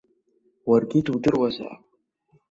Уаргьы дудыруазаап.